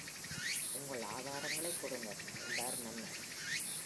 ‘உங்கள் ஆதாரங்களைக் கொடுங்கள்’ என்றார் மன்னர்.